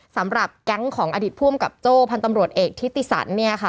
สำหรับแก๊งของอดีตผู้อำกับโจ้พันธ์ตำรวจเอกทิติสันเนี่ยค่ะ